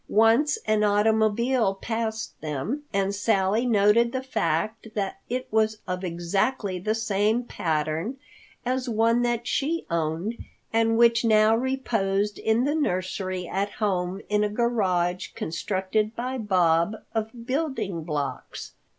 Once an automobile passed them and Sally noted the fact that it was of exactly the same pattern as one that she owned and which now reposed in the nursery at home in a garage constructed by Bob of building blocks.